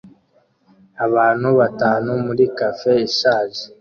Abantu batanu muri cafe ishaje